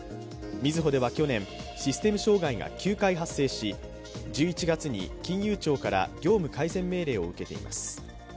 みずほでは去年、システム障害が９回発生し１１月に金融庁から業務改善命令を受けています。